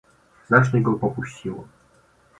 "Znacznie go popuściło."